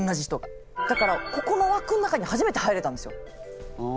だからここのわくの中に初めて入れたんですよ。